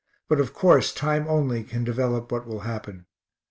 But of course time only can develope what will happen.